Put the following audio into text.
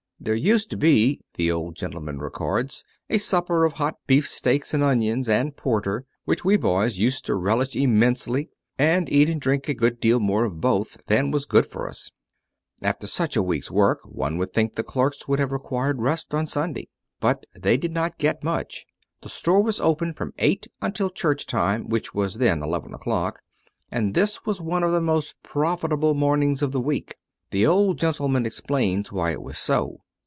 "There used to be," the old gentleman records, "a supper of hot beafsteaks and onions, and porter, which we boys used to relish immensely, and eat and drink a good deal more of both than was good for us." After such a week's work one would think the clerks would have required rest on Sunday. But they did not get much. The store was open from eight until church time, which was then eleven o'clock; and this was one of the most profitable mornings of the week. The old gentleman explains why it was so.